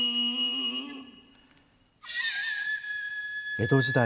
江戸時代